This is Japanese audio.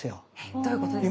どういうことですか？